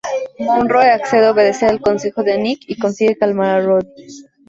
Monroe accede a obedecer el consejo de Nick y consigue calmar a Roddy.